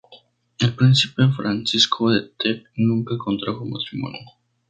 El príncipe Francisco de Teck nunca contrajo matrimonio.